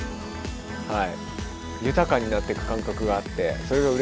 はい。